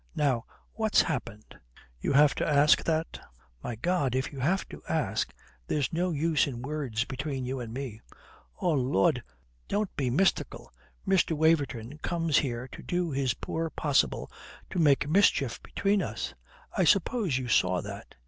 Now, what's happened?" "You have to ask that? My God, if you have to ask, there's no use in words between you and me." "Oh Lud, don't be mystical. Mr. Waverton comes here to do his poor possible to make mischief between us. I suppose you saw that.